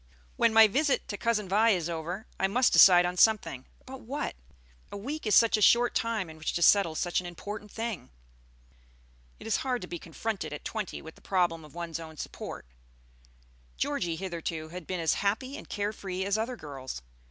"When my visit to Cousin Vi is over, I must decide on something; but what? A week is such a short time in which to settle such an important thing." It is hard to be confronted at twenty with the problem of one's own support. Georgie hitherto had been as happy and care free as other girls.